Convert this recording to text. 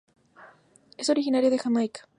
Es originaria de Jamaica.